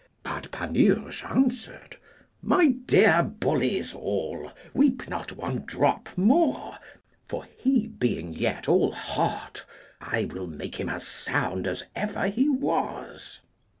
But Panurge answered, My dear bullies all, weep not one drop more, for, he being yet all hot, I will make him as sound as ever he was.